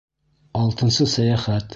АЛТЫНСЫ СӘЙӘХӘТ